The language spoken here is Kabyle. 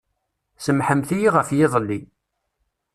Samḥemt-iyi ɣef yiḍelli.